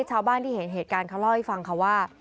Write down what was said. ชาวบ้านที่เห็นเหตุการณ์เขาเล่าให้ฟังค่ะว่า